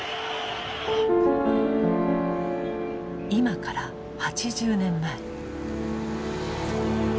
今から８０年前。